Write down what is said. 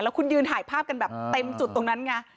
คุณยืนถ่ายภาพกันแบบเต็มจุดตรงนั้นไง